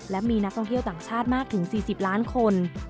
และมีนักท่องเที่ยวต่างชาติมากถึง๔๐ล้านคน